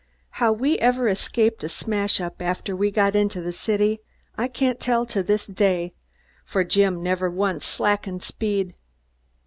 How we ever escaped a smash up after we got into the city I can't tell to this day, for Jim never once slackened speed.